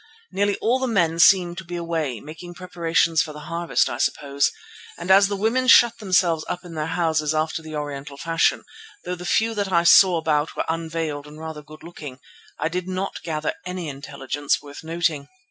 Nearly all the men seemed to be away, making preparations for the harvest, I suppose, and as the women shut themselves up in their houses after the Oriental fashion, though the few that I saw about were unveiled and rather good looking, I did not gather any intelligence worth noting.